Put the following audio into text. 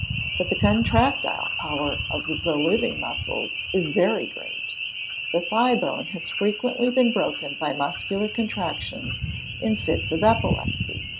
But the contractile power of the living muscles is very great: the thigh bone has frequently been broken by muscular contractions in fits of epilepsy.